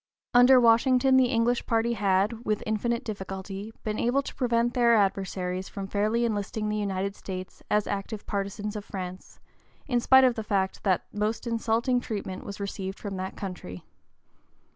Under Washington the English party had, with infinite difficulty, been able to prevent their adversaries from fairly enlisting the United States as active partisans of France, in spite of the fact that most insulting treatment was received from that country.